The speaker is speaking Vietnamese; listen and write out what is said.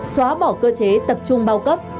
xóa bỏ cơ chế tập trung bao cấp